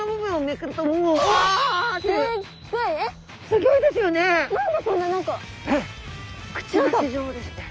すギョいですよね。